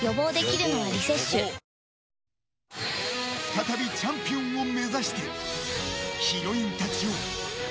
再びチャンピオンを目指してヒロインたちよ